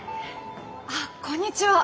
あこんにちは！